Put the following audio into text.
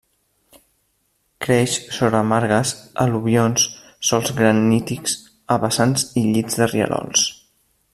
Creix sobre margues, al·luvions, sòls granítics, a vessants i llits de rierols.